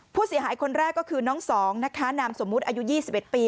ผู้เสียหายคนแรกก็คือน้องสองนะคะนามสมมุติอายุ๒๑ปี